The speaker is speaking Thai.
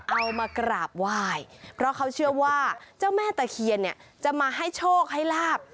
เอามากราบไหว้เพราะเขาเชื่อว่าเจ้าแม่ตะเคียนเนี่ยจะมาให้โชคให้ลาบ